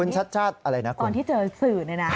ใช่ค่ะ